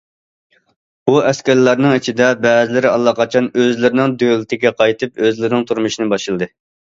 بۇ ئەسكەرلەرنىڭ ئىچىدە، بەزىلىرى ئاللىقاچان ئۆزلىرىنىڭ دۆلىتىگە قايتىپ، ئۆزلىرىنىڭ تۇرمۇشىنى باشلىدى.